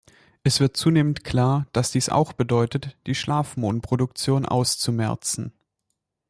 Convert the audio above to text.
Es wird zunehmend klar, dass dies auch bedeutet, die Schlafmohnproduktion auszumerzen.